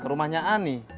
ke rumahnya ani